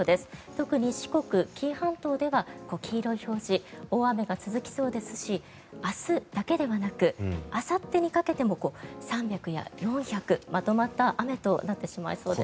特に四国、紀伊半島では黄色い表示大雨が続きそうですし明日だけではなくあさってにかけても３００や４００、まとまった雨となってしまいそうです。